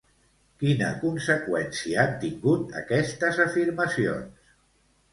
Quina conseqüència han tingut aquestes afirmacions?